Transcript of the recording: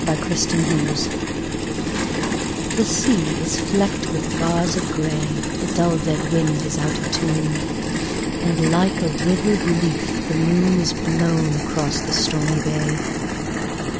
Les Silhouettes THE SEA is flecked with bars of greyThe dull dead wind is out of tune, And like a withered leaf the moonIs blown across the stormy bay.